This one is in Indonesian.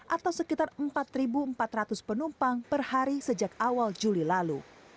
atau sekitar empat empat ratus penumpang per hari sejak awal juli lalu